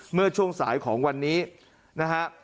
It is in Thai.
เมื่อช่วงสายของวันนี้นะฮะ